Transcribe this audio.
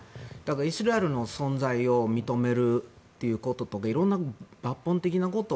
イスラエルの存在を認めるということとかいろんな抜本的なこと